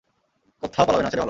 কোত্থাও পালাবে না, ছেলে ভালো।